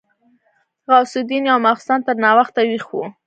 غوث الدين يو ماخستن تر ناوخته ويښ و.